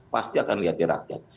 pasti akan lihat di rakyat